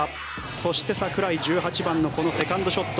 そして、櫻井１８番のこのセカンドショット。